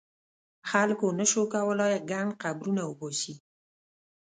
خلکو نه شو کولای ګڼ قبرونه وباسي.